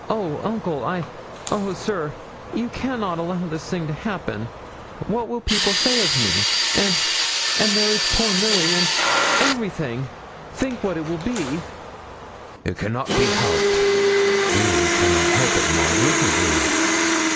'Oh, uncle I oh, sir! you cannot allow this to happen. What will people say of me? And and there is poor Milly and everything! Think what it will be.' 'It cannot be helped you cannot help it, Maud. Listen to me.